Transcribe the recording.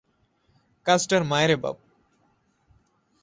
কাজটার মায়রে বাপ।